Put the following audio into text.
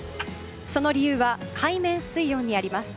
その理由は海面水温にあります。